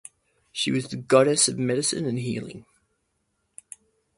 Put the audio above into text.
She was the goddess of medicine and healing.